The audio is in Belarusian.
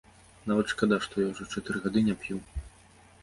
Нават шкада, што я ўжо чатыры гады не п'ю.